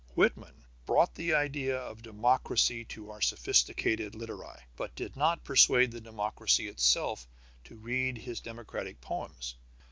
Whitman brought the idea of democracy to our sophisticated literati, but did not persuade the democracy itself to read his democratic poems.